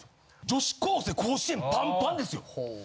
女子高生甲子園パンパンですよ。